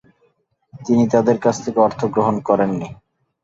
তিনি তাদের কাছ থেকে অর্থ গ্রহণ করেননি।